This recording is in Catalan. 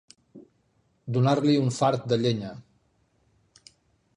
Donar-li un fart de llenya.